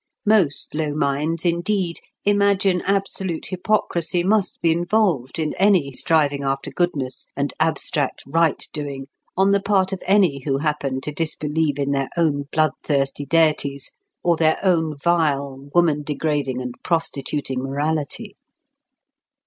Most low minds, indeed, imagine absolute hypocrisy must be involved in any striving after goodness and abstract right doing on the part of any who happen to disbelieve in their own blood thirsty deities, or their own vile woman degrading and prostituting morality.